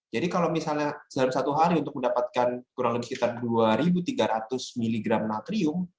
jadi kalau misalnya dalam satu hari untuk mendapatkan kurang lebih sekitar dua tiga ratus miligram